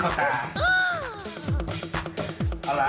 กระทบพริกเข้าตา